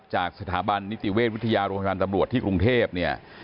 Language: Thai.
จากสถาบันนิติเวชวิทยาโรงพยาบาลตำรวจที่กรุงเทพเนี่ย